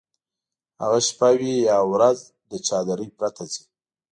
هغه شپه وي یا ورځ له چادرۍ پرته ځي.